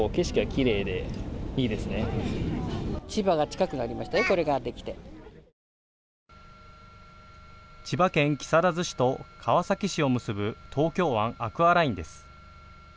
千葉県木更津市と川崎市を結ぶ東京湾アクアラインです。